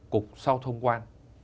cục sau thông quan